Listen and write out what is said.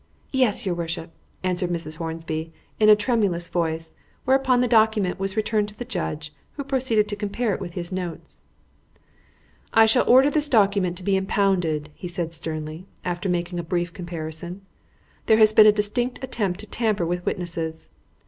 "Yes, your worship," answered Mrs. Hornby, in a tremulous voice; whereupon the document was returned to the judge, who proceeded to compare it with his notes. "I shall order this document to be impounded," said he sternly, after making a brief comparison. "There has been a distinct attempt to tamper with witnesses.